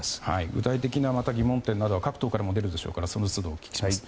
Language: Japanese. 具体的な疑問点などは各党からも出るでしょうからその都度お聞きします。